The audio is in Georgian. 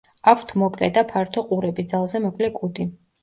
აქვთ მოკლე და ფართო ყურები, ძალზე მოკლე კუდი.